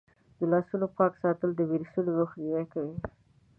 د لاسونو پاک ساتل د ویروسونو مخنیوی کوي.